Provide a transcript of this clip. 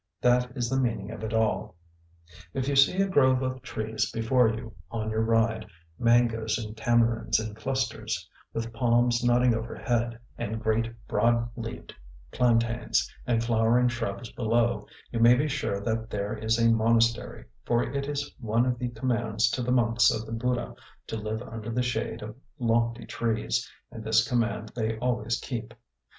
That is the meaning of it all. If you see a grove of trees before you on your ride, mangoes and tamarinds in clusters, with palms nodding overhead, and great broad leaved plantains and flowering shrubs below, you may be sure that there is a monastery, for it is one of the commands to the monks of the Buddha to live under the shade of lofty trees, and this command they always keep.